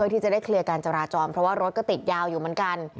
ที่จะได้เคลียร์การจราจรเพราะว่ารถก็ติดยาวอยู่เหมือนกัน